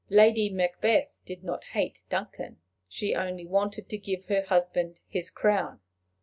Lady Macbeth did not hate Duncan; she only wanted to give her husband his crown.